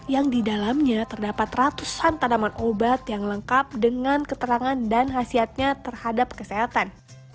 yang didalamnya terdapat ratusan tanaman obat yang lengkap dengan keterangan dan khasiatnya terhadap kesehatan